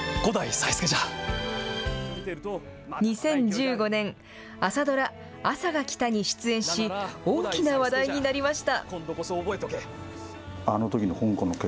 ２０１５年、朝ドラ、あさが来たに出演し、大きな話題になりました。